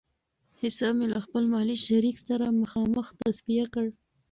حساب مې له خپل مالي شریک سره مخامخ تصفیه کړ.